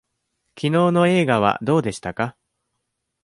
きのうの映画はどうでしたか。